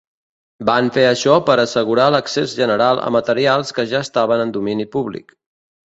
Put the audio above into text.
Van fer això per assegurar l'accés general a materials que ja estaven en domini públic.